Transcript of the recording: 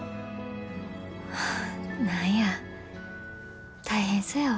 はあ何や大変そやわ。